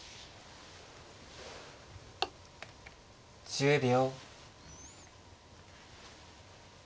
１０秒。